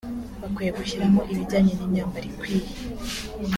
bakwiye gushyiramo ibijyanye n’imyambaro ikwiye